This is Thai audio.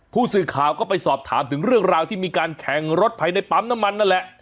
ผู้สื่อข่าวก็ไปสอบถามถึงเรื่องราวที่มีการแข่งรถภายในปั๊มน้ำมันนั่นแหละ